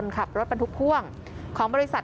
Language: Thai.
ขับรถบรรทุกพ่วงของบริษัท